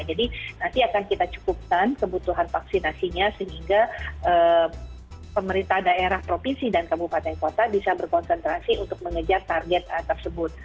jadi nanti akan kita cukupkan kebutuhan vaksinasinya sehingga pemerintah daerah provinsi dan kabupaten kota bisa berkonsentrasi untuk mengejar target tersebut